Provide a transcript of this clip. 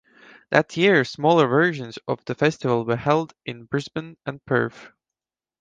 That year, smaller versions of the festival were held in Brisbane and Perth.